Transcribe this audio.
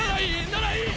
ならいい！